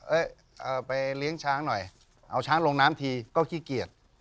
ไปเลี้ยงช้างหน่อยเอาช้างลงน้ำทีก็ขี้เกียจ